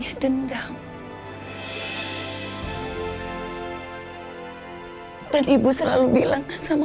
karena tidak dalam waktu bergoda